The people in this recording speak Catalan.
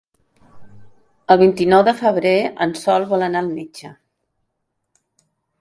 El vint-i-nou de febrer en Sol vol anar al metge.